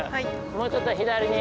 もうちょっと左に。